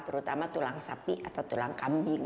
terutama tulang sapi atau tulang kambing